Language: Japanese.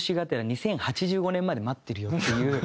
２０８５年まで待ってるよ」っていう。